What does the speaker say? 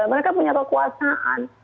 mereka punya kekuasaan